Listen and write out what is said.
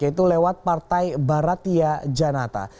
yaitu lewat partai barata janata